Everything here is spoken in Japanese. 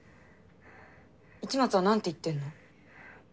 市松はなんて言ってんの？